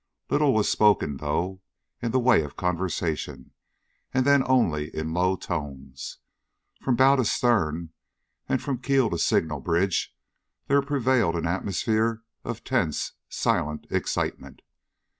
Little was spoken, though, in the way of conversation, and then only in low tones. From bow to stern, and from keel to signal bridge, there prevailed an atmosphere of tense, silent excitement.